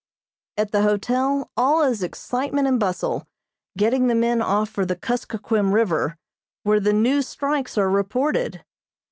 At the hotel all is excitement and bustle, getting the men off for the Kuskokquim River, where the new strikes are reported.